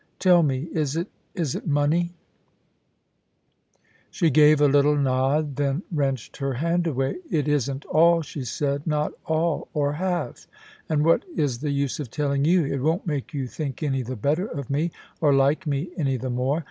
... Tell me, is it — is it money ?* She gave a little nod, then wrenched her hand away. * It isn't all,' she said ;* not all, or half. ... And what is the use of telling you ? It won't make you think any the better of me, or like me any the more.